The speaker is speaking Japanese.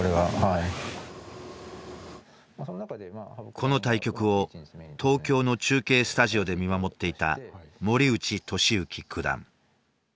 この対局を東京の中継スタジオで見守っていた森内俊之九段。